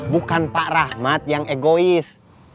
bukan pak rahmat yang egois